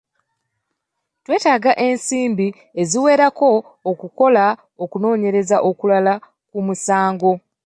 Twetaaga ensimbi eziwerako okukola okunoonyereza okulala ku musango.